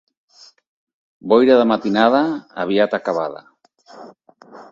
Boira de matinada, aviat acabada.